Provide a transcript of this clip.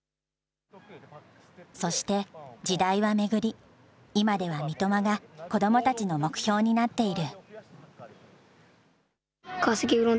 そして時代は巡り、今では三笘が子どもたちの目標になっている。